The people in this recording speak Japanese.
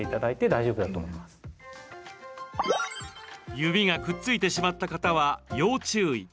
指がくっついてしまった方は要注意。